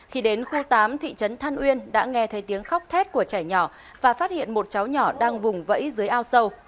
khi đến khu tám thị trấn than uyên đã nghe thấy tiếng khóc thét của trẻ nhỏ và phát hiện một cháu nhỏ đang vùng vẫy dưới ao sâu